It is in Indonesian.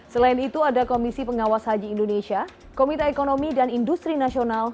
selain itu ada komisi pengawas haji indonesia komite ekonomi dan industri nasional